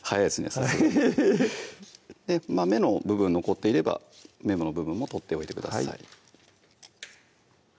さすが芽の部分残っていれば芽の部分も取っておいてください